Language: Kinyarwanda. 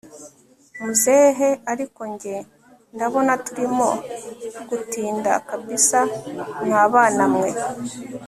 muzehe ariko njye ndabona turimo gutinda kabsa mwabana mwe